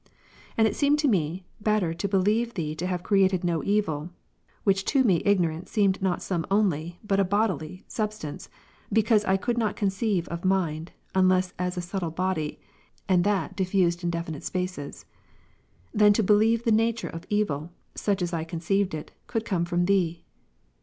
And it seemed to me better to believe Thee to have created no evil, (which to me ignorant seemed not some only, but a bodily, substance, because I could not conceive of mind, unless as a subtile body, and that diffused in definite spaces,) than to believe the nature of evil, such as I conceived it, could come from Thee.